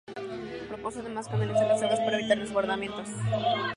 Propuso además canalizar las aguas para evitar desbordamientos.